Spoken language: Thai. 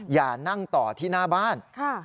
อย่านั่งต่อที่หน้าบ้าน